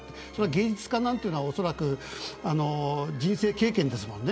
芸術家なんていうのはおそらく人生経験ですもんね。